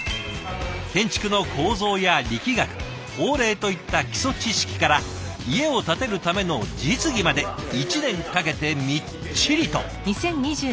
建築の構造や力学法令といった基礎知識から家を建てるための実技まで１年かけてみっちりと。